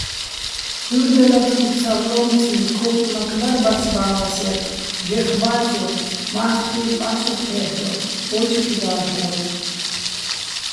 ჺურდელათინო̆ ფსარლო́მციჼ ქო́კიმაქ ბარ ბაცბაჼ ვასერ, ჟეხ ბა́წურ, მა́სხთხუჲნი̆ პა́სუხ თე́ლ'ორ, ო́ჯხი გა́გჲორ.